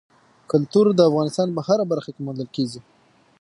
کلتور د افغانستان په هره برخه کې موندل کېږي.